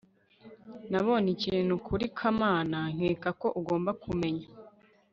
nabonye ikintu kuri kamana nkeka ko ugomba kumenya